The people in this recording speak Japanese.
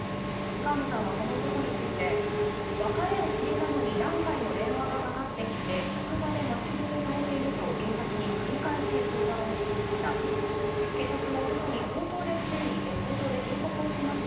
川野さんは、この男について別れを告げたのに何回も電話がかかってきて職場で待ち伏せされていると警察に繰り返し相談をしていました。